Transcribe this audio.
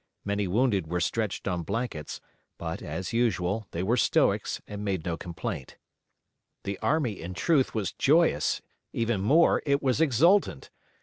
Many wounded were stretched on blankets, but, as usual, they were stoics, and made no complaint. The army, in truth, was joyous, even more, it was exultant.